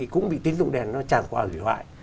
cũng bị tín dụng đen tràn qua hủy hoại